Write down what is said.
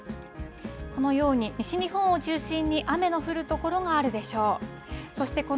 さらに、夜になるとこのように西日本を中心に雨の降るところがあるでしょう。